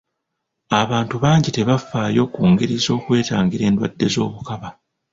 Abantu bangi tebafaayo ku ngeri z'okwetangira endwadde z'obukaba.